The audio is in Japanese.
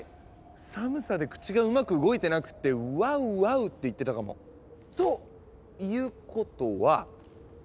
寒さで口がうまく動いてなくって「ワウワウ」って言ってたかも。ということは。